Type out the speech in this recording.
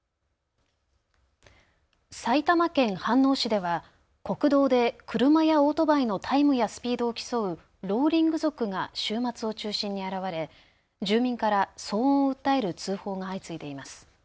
埼玉県飯能市では国道で車やオートバイのタイムやスピードを競うローリング族が週末を中心に現れ住民から騒音を訴える通報が相次いでいます。